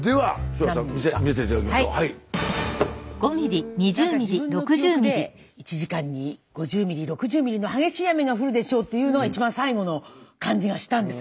なんか自分の記憶で１時間に５０ミリ６０ミリの激しい雨が降るでしょうっていうのが一番最後の感じがしたんです。